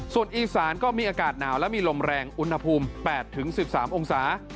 ส่วนอีสานก็มีอากาศหนาวและมีลมแรงอุณหภูมิ๘๑๓องศา